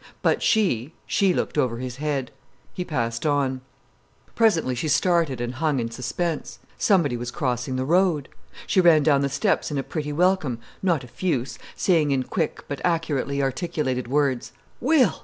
But she, she looked over his head. He passed on. Presently she started and hung in suspense. Somebody was crossing the road. She ran down the steps in a pretty welcome, not effuse, saying in quick, but accurately articulated words: "Will!